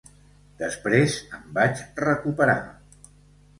Després em vaig recuperar.